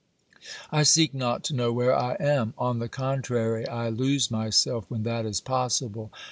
I seek not to know where I am ; on the contrary, I lose myself when that is possible.